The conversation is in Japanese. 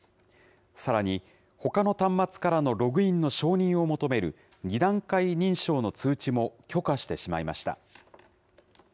さらに、ほかの端末からのログインの承認を求める２段階認証の通知も許可してしまいました。